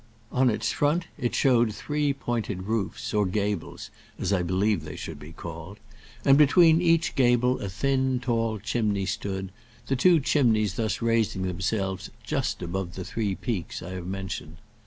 On its front it showed three pointed roofs, or gables, as I believe they should be called; and between each gable a thin tall chimney stood, the two chimneys thus raising themselves just above the three peaks I have mentioned.